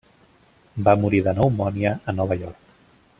Va morir de pneumònia a Nova York.